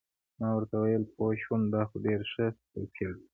ما ورته وویل: پوه شوم، دا خو ډېر ښه توپیر دی.